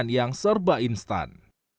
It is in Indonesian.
yang serba instan